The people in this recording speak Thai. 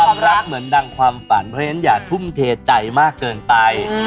รักเหมือนดังความฝันเพราะฉะนั้นอย่าทุ่มเทใจมากเกินไป